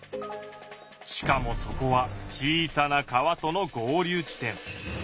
しかもそこは小さな川との合流地点。